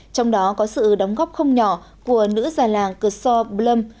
trong đó có sự đóng góp không nhỏ của nữ già làng kersau blum